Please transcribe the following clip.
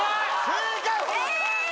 正解！